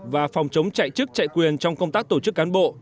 và phòng chống chạy chức chạy quyền trong công tác tổ chức cán bộ